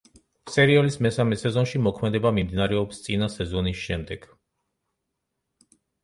სერიალის მესამე სეზონში მოქმედება მიმდინარეობს წინა სეზონის შემდეგ.